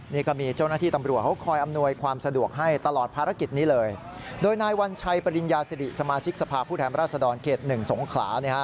นายวัญชัยปริญญาสิริสมาชิกสภาพผู้แถมราษฎรเขต๑สงขลา